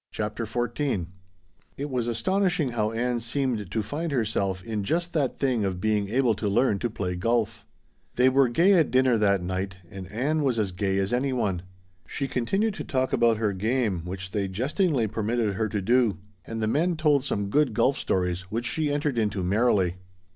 CHAPTER XIV It was astonishing how Ann seemed to find herself in just that thing of being able to learn to play golf. They were gay at dinner that night, and Ann was as gay as any one. She continued to talk about her game, which they jestingly permitted her to do, and the men told some good golf stories which she entered into merrily.